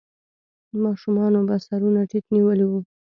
ماشومانو به سرونه ټيټ نيولې وو.